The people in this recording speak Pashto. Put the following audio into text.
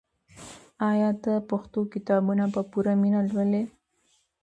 آیا ته پښتو کتابونه په پوره مینه لولې؟